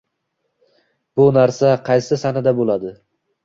Bu narsa qaysi sanada bo'ladi?